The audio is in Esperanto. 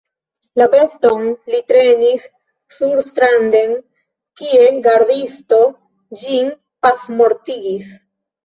La beston li trenis surstranden, kie gardisto ĝin pafmortigis.